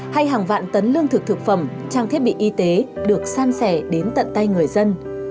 hay hàng vạn tấn lương thực thực phẩm trang thiết bị y tế được san sẻ đến tận tay người dân